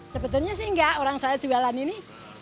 sebetulnya sih enggak orang saya jualan ini